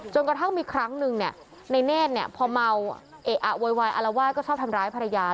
จนกระทั่งมีครั้งหนึ่งนายเนธพอเมาเอะอ่ะโวยอัลว่ายก็ชอบทำร้ายภรรยา